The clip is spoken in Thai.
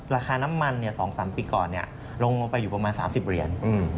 ราคาน้ำมัน๒๓ปีก่อนลงลงไปอยู่ประมาณ๓๐เหรียญ